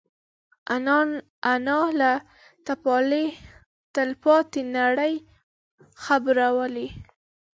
انا له تلپاتې نړۍ خبروي